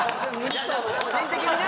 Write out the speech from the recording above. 個人的にね。